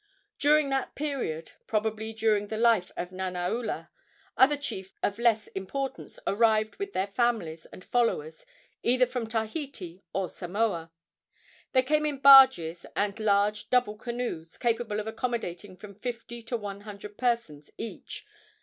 During that period probably during the life of Nanaula other chiefs of less importance arrived with their families and followers either from Tahiti or Samoa. They came in barges and large double canoes capable of accommodating from fifty to one hundred persons each.